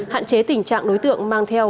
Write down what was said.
hạn chế tình trạng đối tượng mang theo